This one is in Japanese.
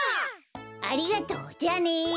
ありがとうじゃあね。